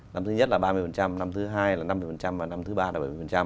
năm thứ nhất là ba mươi năm thứ hai là năm mươi và năm thứ ba là bảy mươi